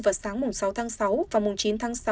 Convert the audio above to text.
vào sáng sáu tháng sáu và chín tháng sáu